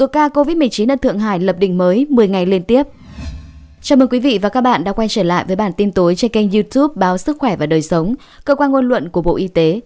chào mừng quý vị và các bạn đã quay trở lại với bản tin tối trên kênh youtube báo sức khỏe và đời sống cơ quan ngôn luận của bộ y tế